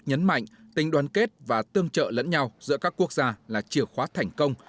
nhấn mạnh tình đoàn kết và tương trợ lẫn nhau giữa các quốc gia là chìa khóa thành công